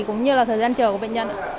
cũng như là thời gian chờ của bệnh nhân